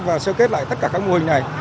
và sơ kết lại tất cả các mô hình này